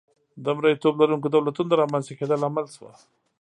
د مریتوب لرونکو دولتونو د رامنځته کېدا لامل شوه.